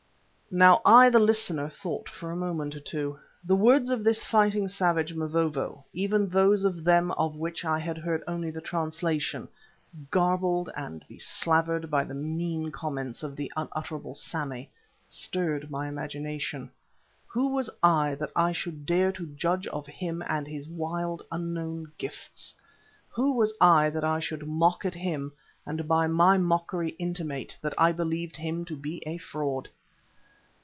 Now I, the listener, thought for a moment or two. The words of this fighting savage, Mavovo, even those of them of which I had heard only the translation, garbled and beslavered by the mean comments of the unutterable Sammy, stirred my imagination. Who was I that I should dare to judge of him and his wild, unknown gifts? Who was I that I should mock at him and by my mockery intimate that I believed him to be a fraud?